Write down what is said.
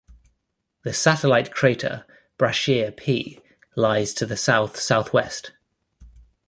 The satellite crater Brashear P lies to the south-southwest.